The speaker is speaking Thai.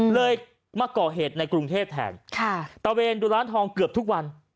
เลยมาก่อเหตุในกรุงเทพแทนตะเวนดูร้านทองเกือบทุกวัน